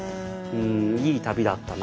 いい旅だったな。